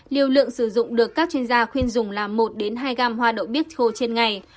liều lượng sử dụng được các chuyên gia khuyên dùng là một hai gam hoa đậu bít thô trên ngày